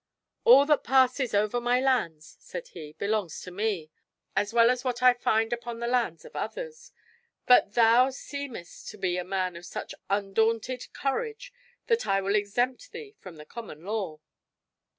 "All that passes over my lands," said he, "belongs to me, as well as what I find upon the lands of others; but thou seemest to be a man of such undaunted courage that I will exempt thee from the common law."